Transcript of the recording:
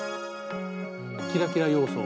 キラキラ要素。